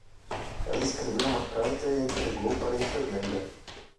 Ela escreveu uma carta e a entregou para a enfermeira.